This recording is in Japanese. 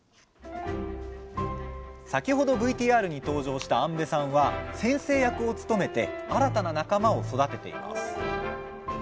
先ほどＶＴＲに登場した安部さんは先生役を務めて新たな仲間を育てています。